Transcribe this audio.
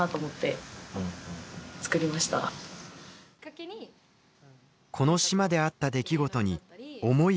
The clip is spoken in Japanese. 去年この島であった出来事に思いをはせてほしい。